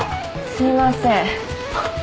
すいませんはっ